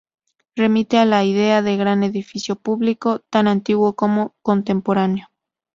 Remite a la idea de gran edificio público, tanto antiguo como contemporáneo.